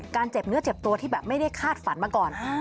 เจ็บเนื้อเจ็บตัวที่แบบไม่ได้คาดฝันมาก่อน